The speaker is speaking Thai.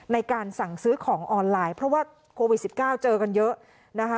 ในการสั่งซื้อของออนไลน์เพราะว่าโควิด๑๙เจอกันเยอะนะคะ